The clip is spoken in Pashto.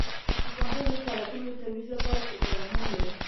افغانستان د تالابونو د ترویج لپاره پروګرامونه لري.